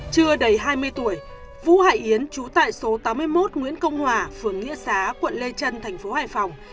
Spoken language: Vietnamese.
chưa đầy hai mươi tuổi vũ hải yến trú tại số tám mươi một nguyễn công hòa phường nghĩa xá quận lê trân thành phố hải phòng